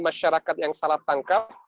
masyarakat yang salah tangkap